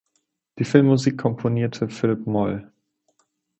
Die Filmmusik komponierte Philip Moll.